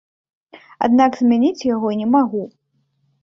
Аднак змяніць яго не магу.